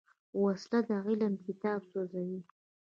وسله د علم کتاب سوځوي